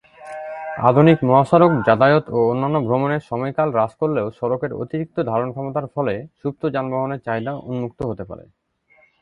আধুনিক মহাসড়ক যাতায়াত ও অন্যান্য ভ্রমণের সময়কাল হ্রাস করলেও সড়কের অতিরিক্ত ধারণক্ষমতার ফলে সুপ্ত যানবাহনের চাহিদা উন্মুক্ত হতে পারে।